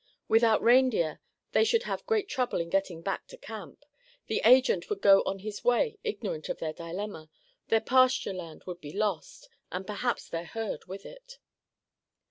Without reindeer they should have great trouble in getting back to camp; the Agent would go on his way ignorant of their dilemma; their pasture land would be lost, and perhaps their herd with it.